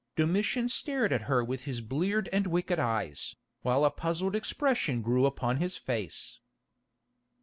Domitian stared at her with his bleared and wicked eyes, while a puzzled expression grew upon his face.